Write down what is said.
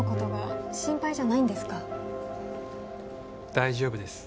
大丈夫です。